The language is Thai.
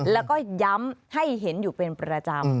แล้วก็ย้ำให้เห็นอยู่เป็นประจำ